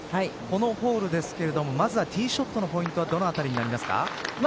このホールですがまずはティーショットのポイントはどのあたりになりますか。